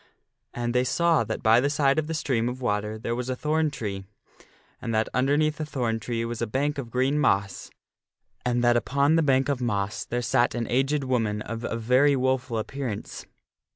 And they saw that by the side side the foun o f the stream of water there was a thorn tree, and that under neath the thorn tree was a bank of green moss, and that upon the bank of moss there sat an aged woman of a very woful appearance.